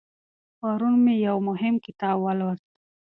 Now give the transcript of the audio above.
پرون مې یو مهم کتاب ولوست.